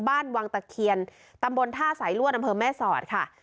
บ้านวังตะเคียนตำบลท่าสายลวดอำเภอแม่สอดค่ะ